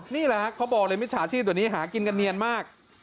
นี่แหละครับเขาบอกเลยมิจฉาชีพตัวนี้หากินกันเนียนมาก